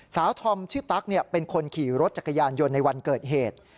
ธอมชื่อตั๊กเป็นคนขี่รถจักรยานยนต์ในวันเกิดเหตุ